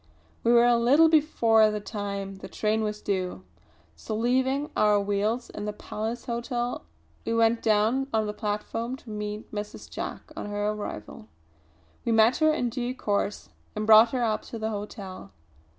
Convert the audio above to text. We were a little before the time the train was due; so leaving our wheels in the Palace Hotel we went down on the platform to meet Mrs. Jack on her arrival. We met her in due course, and brought her up to the hotel.